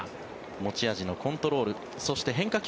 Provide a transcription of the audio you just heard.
持ち味のコントロールそして変化球。